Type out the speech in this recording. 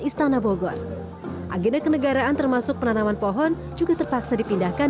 istana bogor agenda kenegaraan termasuk penanaman pohon juga terpaksa dipindahkan